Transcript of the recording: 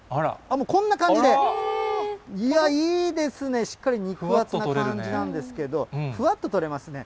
もうこんな感じで、いやぁ、いいですね、しっかり肉厚な感じなんですけども、ふわっと採れますね。